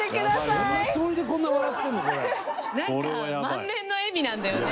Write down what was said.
満面の笑みなんだよね